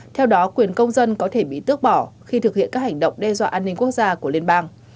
theo đó quyền công dân có thể bị tước bỏ khi thực hiện các hành động đe dọa an ninh quốc gia của liên bang